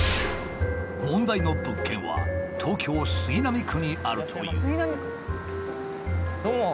問題の物件は東京杉並区にあるという。